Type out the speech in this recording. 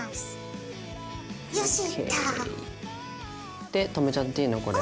ＯＫ。で留めちゃっていいのこれ？